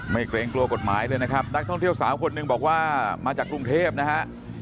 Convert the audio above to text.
เกรงกลัวกฎหมายเลยนะครับนักท่องเที่ยวสาวคนหนึ่งบอกว่ามาจากกรุงเทพนะฮะ